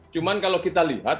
cuman kalau kita lihat